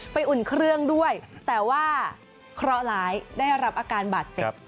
อุ่นเครื่องด้วยแต่ว่าเคราะห์ร้ายได้รับอาการบาดเจ็บ